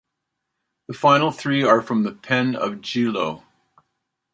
The final three are from the pen of Gilo.